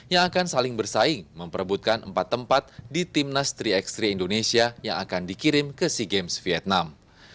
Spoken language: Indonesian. yang akan saling bersaing memperebutkan empat tempat di timnas tiga x tiga indonesia yang akan dikirim ke sea games vietnam